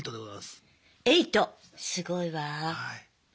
すごいわ。